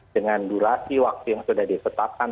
dengan durasi waktu yang sudah ditetapkan